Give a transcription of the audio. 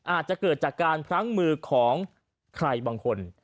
อาจจะเกิดจากการพลั้งมือของใครบางคน